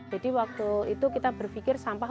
jadi waktu itu kita berpikir sampah